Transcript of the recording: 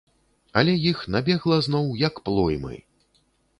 Але іх набегла зноў як плоймы.